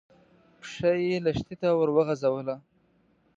پښه يې لښتي ته ور وغځوله.